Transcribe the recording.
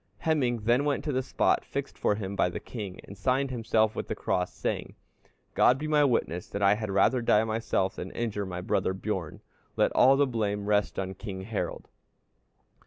Hemingr then went to the spot fixed for him by the king, and signed himself with the cross, saying, 'God be my witness that I had rather die myself than injure my brother Bjorn; let all the blame rest on King Harald.'